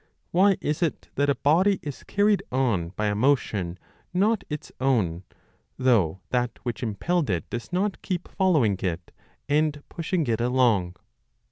Why is it that a body is carried on by a motion not its own, though that which impelled it does not keep following it and pushing it along